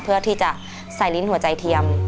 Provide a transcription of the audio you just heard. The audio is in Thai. เพื่อที่จะใส่ลิ้นหัวใจเทียม